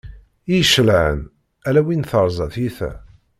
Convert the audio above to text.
I icelɛan, ala win terza tyita.